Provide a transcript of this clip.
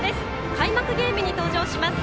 開幕ゲームに登場します。